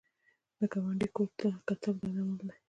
د ګاونډي کور ته کتل بد عمل دی